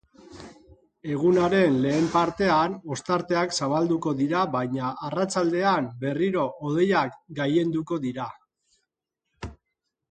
Egunaren lehen partean, ostarteak zabalduko dira baina arratsaldean berriro hodeiak gailenduko dira.